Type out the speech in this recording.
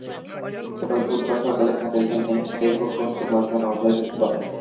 গতকাল বুধবার সকালে ঘাটাইল থানার এসআই খোকন কুমার সাহা মামলা দুটি করেন।